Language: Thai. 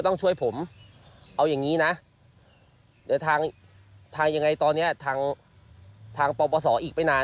ทางปปสอีกไปนาน